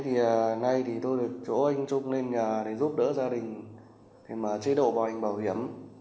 hôm nay tôi được chỗ anh trung lên nhà giúp đỡ gia đình chế độ bành bảo hiểm